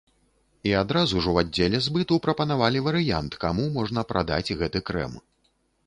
І адразу ж у аддзеле збыту прапанавалі варыянт, каму можна прадаць гэты крэм.